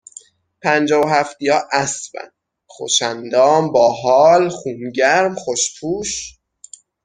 پنجاه و هفتیا اسبن، خوش اندام، با حال، خون گرم، خوش پوش